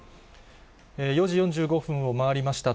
４時４５分を回りました。